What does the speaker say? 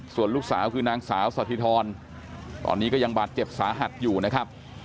ส่วนลูกสาวคือนางสาวสถิธรตอนนี้ก็ยังบาดเจ็บสาหัสอยู่นะครับ